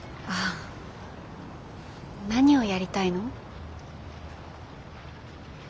何をやりたいの？